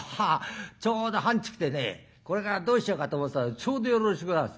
「ちょうどはんちくでねこれからどうしようかと思ってたらちょうどよろしゅうございます。